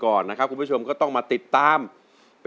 โทษใจโทษใจโทษใจโทษใจโทษใจโทษใจโทษใจโทษใจ